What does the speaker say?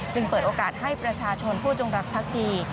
เปิดโอกาสให้ประชาชนผู้จงรักพักดี